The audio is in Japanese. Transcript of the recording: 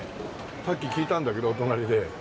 さっき聞いたんだけど隣で。